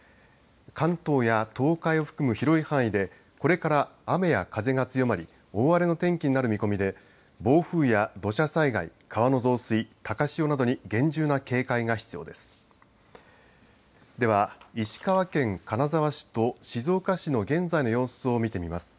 関東や東海を含む広い範囲でこれから雨や風が強まり大荒れの天気になる見込みで暴風や土砂災害川の増水、高潮などに厳重な警戒が必要です。